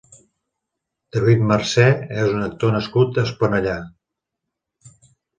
David Marcé és un actor nascut a Esponellà.